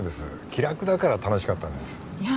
気楽だから楽しかったんですいや